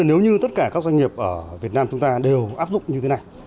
nếu như tất cả các doanh nghiệp ở việt nam chúng ta đều áp dụng như thế này